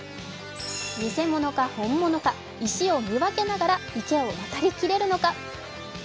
偽物か本物か、石を見分けながら石を渡りきれるのか？